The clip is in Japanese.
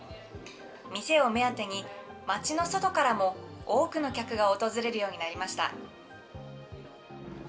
店を目当てに、町の外からも多くの客が訪れるようになりました。